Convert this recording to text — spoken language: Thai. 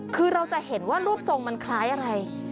คือเราจะเห็นว่ารูปทรงมันคล้ายอะไร